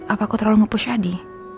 apa aku terlalu nge push adi